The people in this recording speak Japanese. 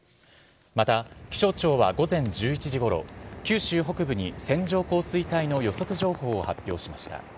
また、気象庁は午前１１時ごろ、九州北部に線状降水帯の予測情報を発表しました。